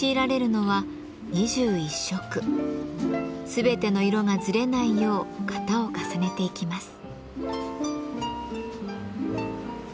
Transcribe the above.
全ての色がずれないよう型を重ねていきます。